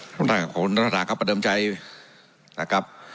ท่านประธานาคับขอบพระคุณท่านประธานาคับประเดิมใจนะครับ